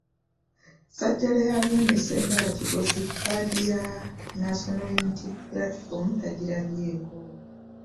Ssajjalyabeene Ssempala Kigozi kkaadi ya National Unity Platform tagirabyeko.